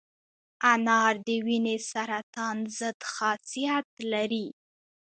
انار د وینې سرطان ضد خاصیت لري.